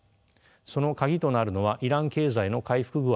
その鍵となるのはイラン経済の回復具合です。